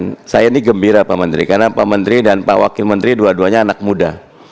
dan saya ini gembira pak menteri karena pak menteri dan pak wakil menteri dua duanya anak muda